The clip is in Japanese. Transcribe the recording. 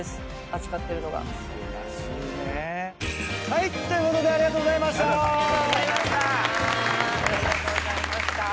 はい！ということでありがとうございました！